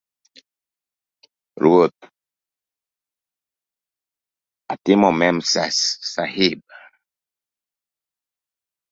ruoth; atimo Memsahib